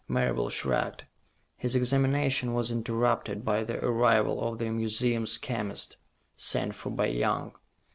Marable shrugged. His examination was interrupted by the arrival of the museum's chemist, sent for by Young.